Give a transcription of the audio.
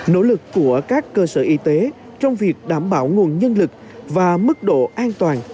nỗ lực của các cơ sở y tế trong việc đảm bảo nguồn nhân lực và mức độ an toàn